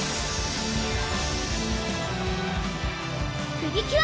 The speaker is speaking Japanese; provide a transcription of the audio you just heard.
プリキュア！